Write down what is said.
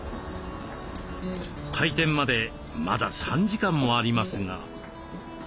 開店までまだ３時間もありますが。